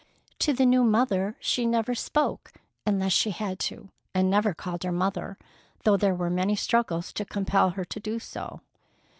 To the new mother she never spoke unless she had to, and never called her Mother, though there were many struggles to compel her to do so.